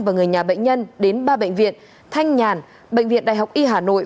và người nhà bệnh nhân đến ba bệnh viện thanh nhàn bệnh viện đại học y hà nội